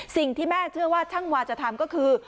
สิ่งที่แม่เชื่อว่าช่างวาจะทำก็คือ